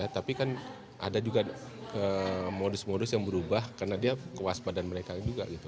tapi kan ada juga modus modus yang berubah karena dia kewaspadaan mereka juga gitu